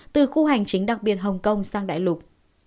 từ khu hành chính đặc biệt hồng kông sang đại lục